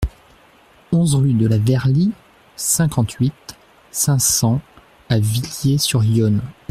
onze rue de la Verly, cinquante-huit, cinq cents à Villiers-sur-Yonne